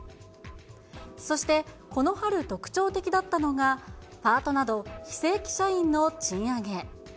そして、この春特徴的だったのが、パートなど非正規社員の賃上げ。